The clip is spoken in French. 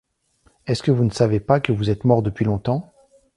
Est-ce que vous ne savez pas que vous êtes mort depuis longtemps?